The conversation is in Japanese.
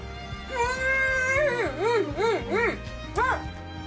うん！